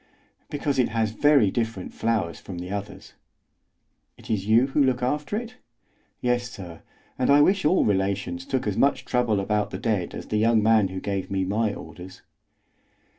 "Because it has very different flowers from the others." "Is it you who look after it?" "Yes, sir; and I wish all relations took as much trouble about the dead as the young man who gave me my orders."